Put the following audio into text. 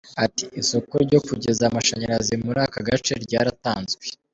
Ati “isoko ryo kugeza amashanyarazi muri aka gace ryaratanzwe.